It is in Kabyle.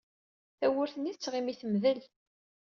Tawwurt-nni tettɣimi temdel.